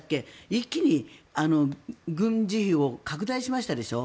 一気に軍事費を拡大しましたでしょ。